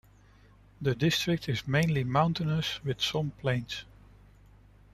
The district is mainly mountainous with some plains.